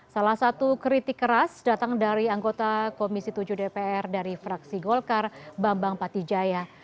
salah satu kritik keras datang dari anggota komisi tujuh dpr dari fraksi golkar bambang patijaya